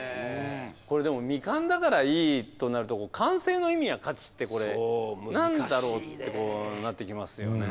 これでも未完だからいいとなると完成の意味や価値ってこれ何だろうってなってきますよね。